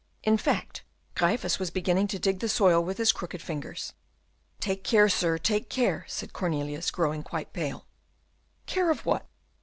In fact, Gryphus was beginning to dig the soil with his crooked fingers. "Take care, sir, take care," said Cornelius, growing quite pale. "Care of what?